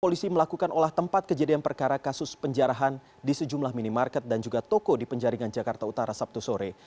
polisi melakukan olah tempat kejadian perkara kasus penjarahan di sejumlah minimarket dan juga toko di penjaringan jakarta utara sabtu sore